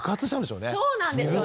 そうなんですよね。